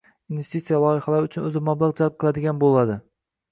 investitsiya loyihalari uchun o‘zi mablag‘ jalb qiladigan bo‘ladi.